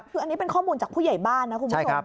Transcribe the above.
คืออันนี้เป็นข้อมูลจากผู้ใหญ่บ้านนะคุณผู้ชม